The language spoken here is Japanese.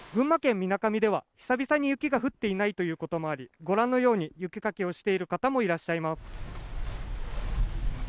みなかみでは久々に雪が降っていないこともありご覧のように雪かきをしている方もいらっしゃいます。